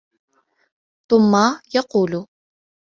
ثُمَّ يَقُولُ